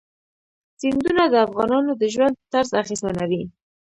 سیندونه د افغانانو د ژوند طرز اغېزمنوي.